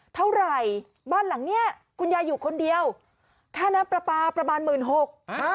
เท่าไหร่บ้านหลังเนี้ยคุณยายอยู่คนเดียวค่าน้ำปลาปลาประมาณหมื่นหก